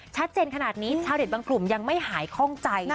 ชัดเจนขนาดนี้ชาวเน็ตบางกลุ่มยังไม่หายคล่องใจ